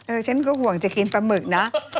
ฉันก็ห่วงจะกินปลาหมึกนะ